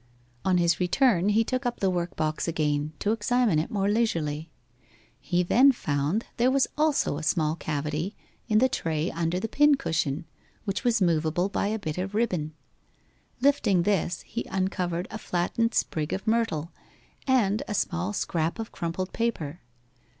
On his return he took up the workbox again to examine it more leisurely. He then found there was also a small cavity in the tray under the pincushion, which was movable by a bit of ribbon. Lifting this he uncovered a flattened sprig of myrtle, and a small scrap of crumpled paper.